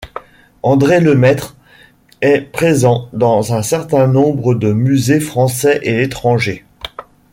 André Lemaitre est présent dans un certain nombre de musée français et étranger.